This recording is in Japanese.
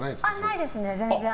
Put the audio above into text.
ないですね、全然。